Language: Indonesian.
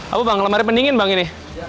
apa bang lemari pendingin bang ini